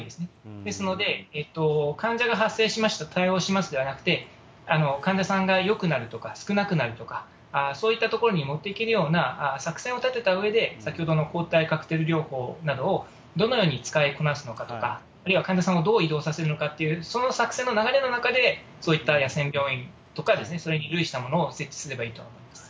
ですので、患者が発生しました、対応しますじゃなくて、患者さんがよくなるとか、少なくなるとか、そういったところに持っていけるような作戦を立てたうえで、先ほどの抗体カクテル療法などをどのように使いこなすのかとか、あるいは患者さんをどう移動させるのかっていう、その作戦の流れの中で、そういった野戦病院とか、それに類したものを設置すればいいと思います。